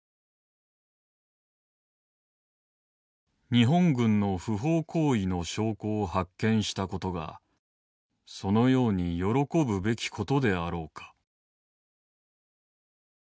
「日本軍の不法行為の証拠を発見したことがそのように喜ぶべきことであろうか」。